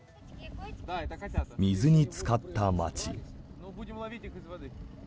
水につかった街。